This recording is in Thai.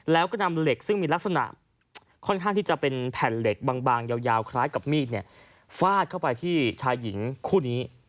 แล้วก็นำเหล็กซึ่งมีลักษณะค่อนข้างที่จะเป็นแผ่นเหล็กบางยาวคล้ายกับมีดฟาดเข้าไปที่ชายหญิงคู่นี้